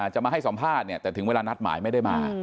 จะมาให้สัมภาษณ์เนี่ยแต่ถึงเวลานัดหมายไม่ได้มา